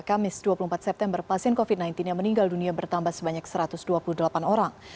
kamis dua puluh empat september pasien covid sembilan belas yang meninggal dunia bertambah sebanyak satu ratus dua puluh delapan orang